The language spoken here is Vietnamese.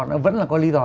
nó vẫn là có lý do